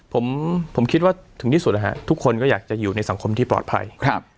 ผมผมคิดว่าถึงที่สุดนะฮะทุกคนก็อยากจะอยู่ในสังคมที่ปลอดภัยครับ